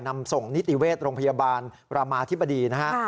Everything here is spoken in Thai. นำส่งนิติเวชโรงพยาบาลรามาธิบดีนะฮะ